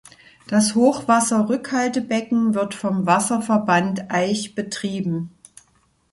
Das Hochwasserrückhaltebecken wird vom Wasserverband Aich betrieben.